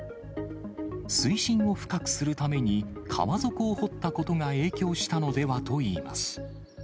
水深を深くするために川底を掘ったことが影響したのではといいます。